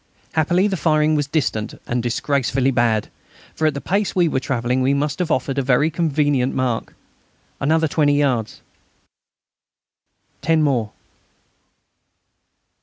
Happily the firing was distant and disgracefully bad, for at the pace we were travelling we must have offered a very convenient mark. Another 20 yards! Ten more!